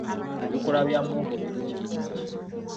Ebikoola bya muwogo birungi nnyo.